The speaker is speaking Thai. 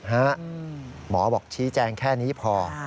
หมอบอกชี้แจงแค่นี้พอ